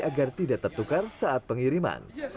agar tidak tertukar saat pengiriman